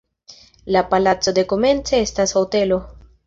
La palaco dekomence estas hotelo.